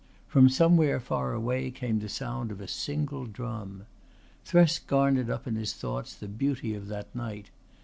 From somewhere far away came the sound of a single drum. Thresk garnered up in his thoughts the beauty of that night.